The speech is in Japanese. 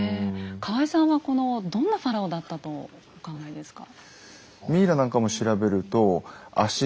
河江さんはこのどんなファラオだったとお考えですか？